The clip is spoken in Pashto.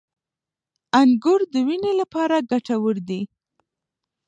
• انګور د وینې لپاره ګټور دي.